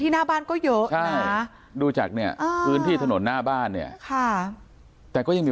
ที่หน้าบ้านก็เยอะดูจากเนี่ยที่ถนนหน้าบ้านเนี่ยแต่ก็ยังมี